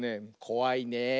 こわいねえ。